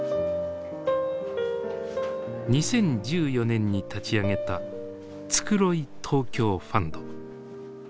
２０１４年に立ち上げた「つくろい東京ファンド」。